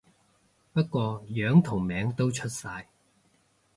不過樣同名都出晒